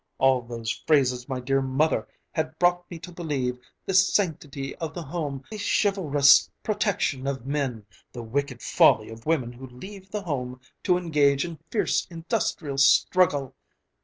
All those phrases my dear mother had brought me to believe, the sanctity of the home, the chivalrous protection of men, the wicked folly of women who leave the home to engage in fierce industrial struggle."...